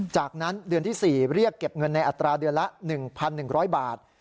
จากนั้นเดือนที่๔เรียกเก็บเงินในอัตราเดือนละ๑๑๐๐บาท